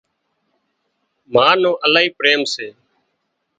ما نو الاهي پريم سي